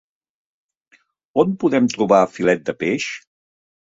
On podem trobar filet de peix?